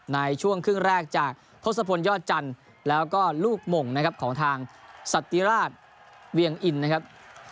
ในช่วงครึ่งแรกจากทศพลยอดจันทร์แล้วก็ลูกหม่งนะครับของทางสัตติราชเวียงอินนะครับ